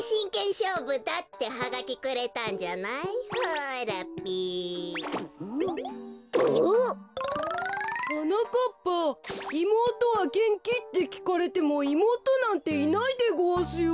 いもうとはげんき？」ってきかれてもいもうとなんていないでごわすよ。